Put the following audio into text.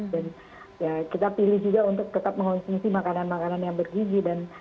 dan kita pilih juga untuk tetap mengonsumsi makanan makanan yang bergizi